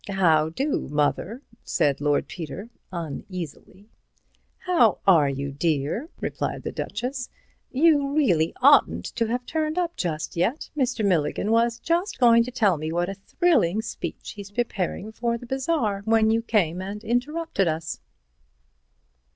"How do, Mother?" said Lord Peter, uneasily. "How are you, dear?" replied the Duchess. "You really oughtn't to have turned up just yet. Mr. Milligan was just going to tell me what a thrilling speech he's preparing for the Bazaar, when you came and interrupted us."